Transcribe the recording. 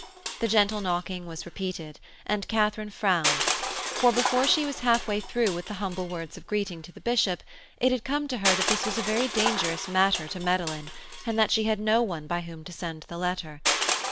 The gentle knocking was repeated, and Katharine frowned. For before she was half way through with the humble words of greeting to the bishop it had come to her that this was a very dangerous matter to meddle in, and she had no one by whom to send the letter.